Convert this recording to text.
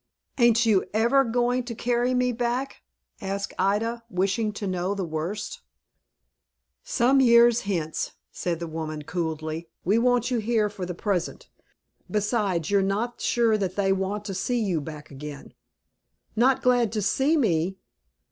"Ain't you ever going to carry me back?" asked Ida, wishing to know the worst. "Some years hence," said the woman, coolly. "We want you here for the present. Besides, you're not sure that they want to see you back again." "Not glad to see me?"